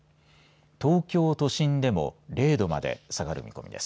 東京都心でも０度まで下がる見込みです。